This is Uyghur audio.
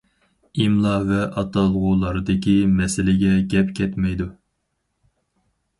ئىملا ۋە ئاتالغۇلاردىكى مەسىلىگە گەپ كەتمەيدۇ.